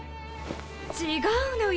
違うのよ